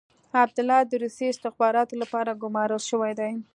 عبدالله د روسي استخباراتو لپاره ګمارل شوی دی.